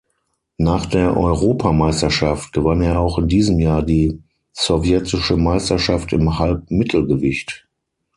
Nach der Europameisterschaft gewann er auch in diesem Jahr die sowjetische Meisterschaft im Halbmittelgewicht.